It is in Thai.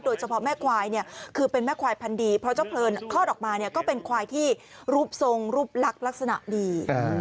โดยเฉพาะแม่ควายคือเป็นแม่ควายพันธุ์ดี